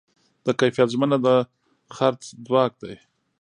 د کیفیت ژمنه د خرڅ ځواک دی.